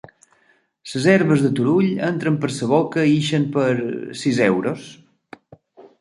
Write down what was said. Les herbes de Turull, entren per la boca i ixen per... sis euros.